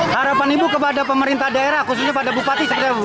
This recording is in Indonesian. harapan ibu kepada pemerintah daerah khususnya pada bupati serta ibu